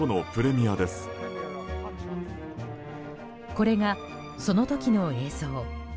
これが、その時の映像。